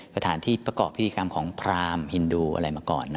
สถานที่ประกอบพิธีกรรมของพรามฮินดูอะไรมาก่อน